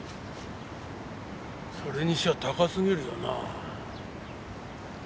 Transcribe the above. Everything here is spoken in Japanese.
それにしちゃ高すぎるよな。